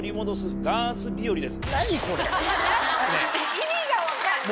意味が分かんない。